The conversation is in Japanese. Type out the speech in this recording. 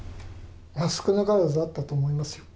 少なからずあったと思いますよ。